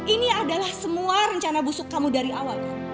ini adalah semua rencana busuk kamu dari awal